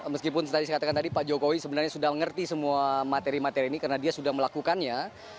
meskipun tadi saya katakan tadi pak jokowi sebenarnya sudah mengerti semua materi materi ini karena dia sudah melakukannya